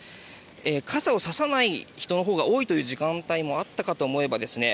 傘をささない人のほうが多い時間帯もあったかと思えばですね